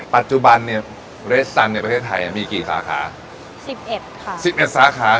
ปัจจุบันเนี่ยเรสสันในประเทศไทยมีกี่สาขาสิบเอ็ดค่ะสิบเอ็ดสาขา